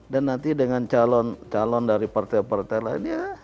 dan nanti dengan calon calon dari partai partai lainnya